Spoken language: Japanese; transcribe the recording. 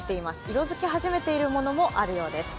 色づき始めているものもあるということです。